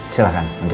silahkan duduk lanjut